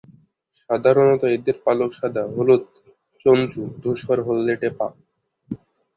সাধারণত এদের পালক সাদা, হলুদ চঞ্চু, ধূসর-হলদেটে পা।